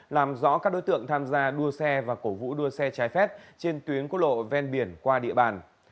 làm rõ các đối tượng tham gia đua xe và cổ vũ đua xe trái phép trên tuyến quốc lộ ven biển qua địa bàn